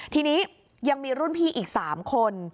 ทีนี้ยังมีรุ่นพี่อีก๓คน